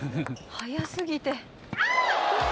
速過ぎて。